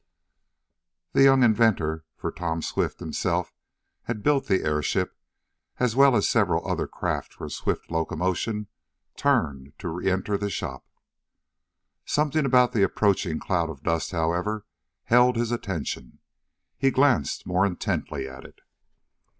The young inventor, for Tom Swift himself had built the airship, as well as several other crafts for swift locomotion, turned to re enter the shop. Something about the approaching cloud of dust, however, held his attention. He glanced more intently at it.